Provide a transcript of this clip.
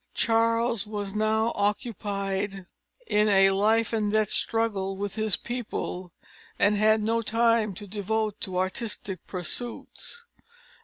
Charles was now occupied in a life and death struggle with his people, and had no time to devote to artistic pursuits.